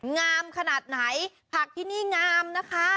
งามขนาดไหนผักที่นี่งามนะคะ